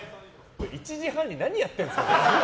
１時半に何やってるんですか。